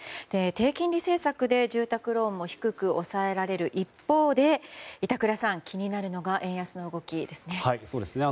低金利政策で住宅ローンも低く抑えられる一方で板倉さん、気になるのが円安の動きですね。